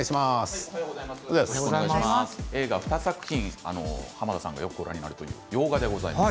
映画２作品濱田さんがよくご覧になるという洋画でございます。